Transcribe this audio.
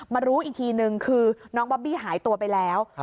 รู้อีกทีนึงคือน้องบอบบี้หายตัวไปแล้ว